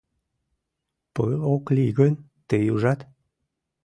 Пыл ок лий гын, тый ужат —